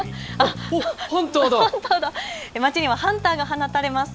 街にはハンターが放たれます。